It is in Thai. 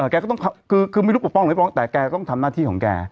แกก็ต้องคือไม่รู้ปกป้องไม่ป้องแต่แกต้องทำหน้าที่ของแก